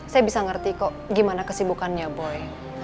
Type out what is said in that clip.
saya bisa ngerti kok gimana kesibukannya boy